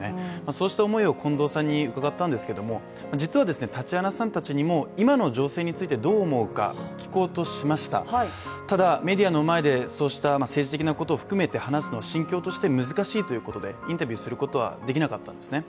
そうした思いを近藤さんに伺ったんですけども、実はタチアナさんたちにも今の情勢についてどう思うか聞こうとしましたただ、メディアの前でそうした政治的なことを含めて話すのは心境として難しいということで、インタビューすることはできなかったんですね